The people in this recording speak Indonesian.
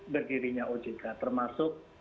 berdirinya ojk termasuk